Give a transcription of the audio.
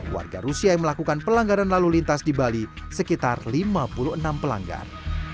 warga rusia yang melakukan pelanggaran lalu lintas di bali sekitar lima puluh enam pelanggar